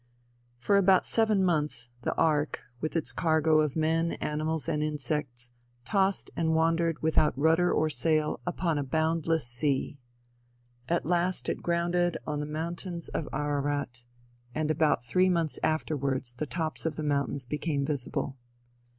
For about seven months the ark, with its cargo of men, animals and insects, tossed and wandered without rudder or sail upon a boundless sea. At last it grounded on the mountains of Ararat; and about three months afterwards the tops of the mountains became visible.